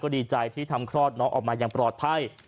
ดีใจที่ทำคลอดออกมาปลอดภัย